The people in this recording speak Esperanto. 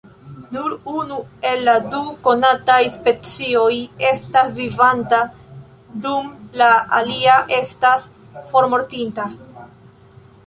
Nur unu el la du konataj specioj estas vivanta dum la alia estas formortinta.